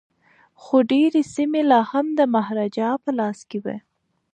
خو ډیري سیمي لا هم د مهاراجا په لاس کي وې.